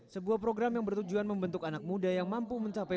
sebuah program yang bertujuan membentuk anak muda yang mampu mencapai